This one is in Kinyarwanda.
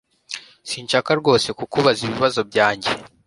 Sinshaka rwose kukubabaza ibibazo byanjye